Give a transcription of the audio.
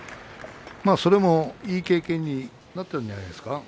それもいい経験になったんじゃないですか。